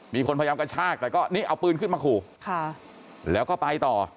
มีคนพยายามกระชากแต่ก็นี่เอาปืนขึ้นมาขู่แล้วก็ไปต่อ